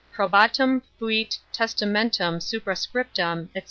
Probatum fuit Testamentum suprascriptum, &c.